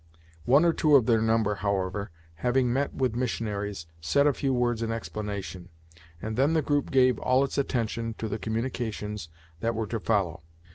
One or two of their number, however, having met with missionaries, said a few words in explanation, and then the group gave all its attention to the communications that were to follow.